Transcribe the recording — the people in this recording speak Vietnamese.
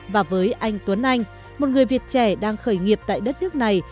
và với anh tuấn anh một người việt trẻ đang khởi nghiệp tại đất nước này